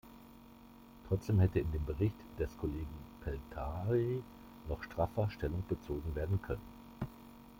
Trotzdem hätte in dem Bericht des Kollegen Pelttari noch straffer Stellung bezogen werden können.